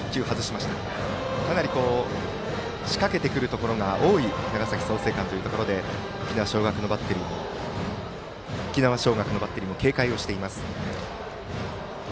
かなり仕掛けてくるところが多い長崎、創成館ということで沖縄尚学のバッテリーも警戒をしています。